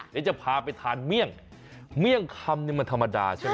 เดี๋ยวจะพาไปทานเมี่ยงเมี่ยงคำนี่มันธรรมดาใช่ไหม